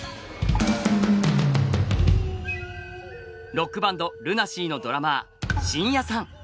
ロックバンドＬＵＮＡＳＥＡのドラマー真矢さん。